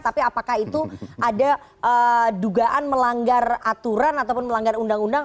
tapi apakah itu ada dugaan melanggar aturan ataupun melanggar undang undang